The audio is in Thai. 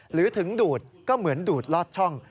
หรือถึงดูดก็เหมือนดูดลอดช่อง